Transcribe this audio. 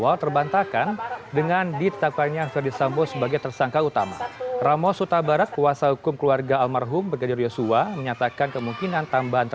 langkah langkah hukum yang akan ditempuh